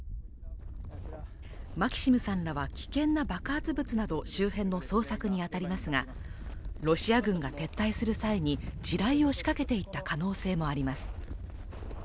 マキシムさんらは危険な爆発物など周辺の捜索にあたりますが、ロシア軍が撤退する際に地雷を仕掛けていった可能性もあります。